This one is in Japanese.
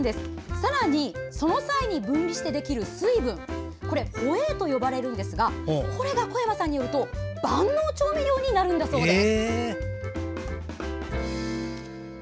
さらに、その際に分離してできる水分ホエーと呼ばれるんですがこれが、小山さんによると万能調味料になるんだそうです。